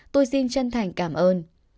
tôi xin chân thành cảm ơn